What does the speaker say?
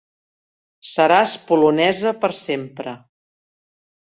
Seràs polonesa per sempre.